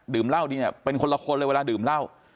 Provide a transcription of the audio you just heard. ดื่มเง่าดีเนี่ยเป็นคนละคนเลยเวลาดื่มเง่า